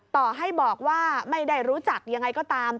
ต่อให้บอกว่าไม่ได้รู้จักยังไงก็ตาม